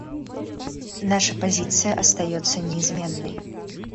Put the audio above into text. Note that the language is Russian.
Наша позиция остается неизменной.